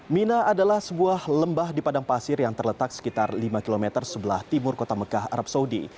mina adalah sebuah lembah di padang pasir yang terletak sekitar lima km sebelah timur kota mekah arab saudi